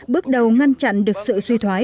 bước đầu ngăn chặn được sự suy thoái